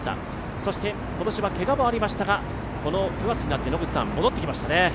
そして今年はけがもありましたが、９月になって戻ってきましたね。